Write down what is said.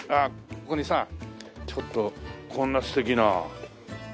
ここにさちょっとこんな素敵な。